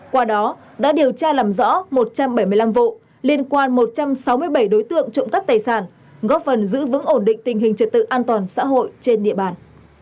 qua đó đã điều tra làm rõ một trăm bảy mươi năm vụ liên quan một trăm sáu mươi bảy đối tượng trộm cắp tài sản góp phần giữ vững ổn định tình hình trật tự an toàn xã hội trên địa bàn